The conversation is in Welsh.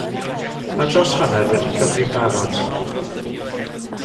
Mae dros hanner wedi'u cyfri yn barod.